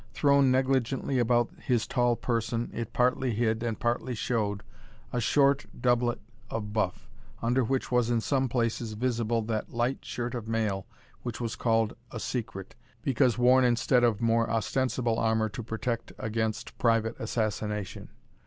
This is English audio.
Thrown negligently about his tall person, it partly hid, and partly showed, a short doublet of buff, under which was in some places visible that light shirt of mail which was called a secret, because worn instead of more ostensible armour to protect against private assassination.